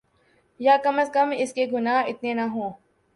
یاکم ازکم اس کے گناہ اتنے نہ ہوں۔